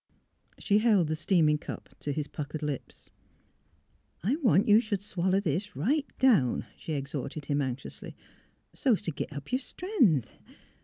She held the steaming cup to his puckered lips. '' I want you should swaller this right down," she exhorted him, anxiously, '' so 's t ' git up yer stren'th.